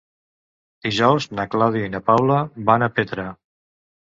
Dijous na Clàudia i na Paula van a Petra.